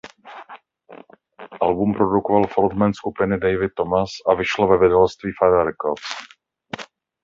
Album produkoval frontman skupiny David Thomas a vyšlo u vydavatelství Fire Records.